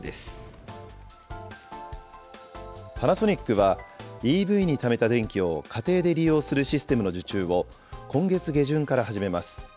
パナソニックは、ＥＶにためた電気を、家庭で利用するシステムの受注を、今月下旬から始めます。